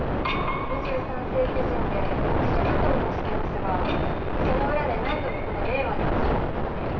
２３世紀人で役所勤めをしてますがその裏で何度もこの令和に足を運んでいます。